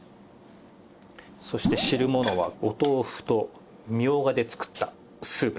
そして汁ものはお豆腐とみょうがで作ったスープでございますね。